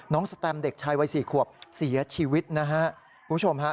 สแตมเด็กชายวัยสี่ขวบเสียชีวิตนะฮะคุณผู้ชมฮะ